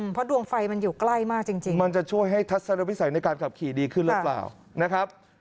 เพราะดวงไฟมันอยู่ใกล้มากจริงมันจะช่วยให้ทัศนวิสัยในการขับขี่ดีขึ้นหรือเปล่านะครับ